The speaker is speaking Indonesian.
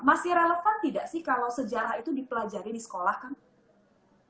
masih relevan tidak sih kalau sejarah itu dipelajari di sekolah kang